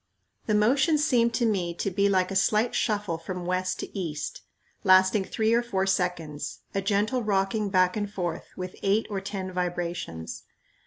The motion seemed to me to be like a slight shuffle from west to east, lasting three or four seconds, a gentle rocking back and forth, with eight or ten vibrations.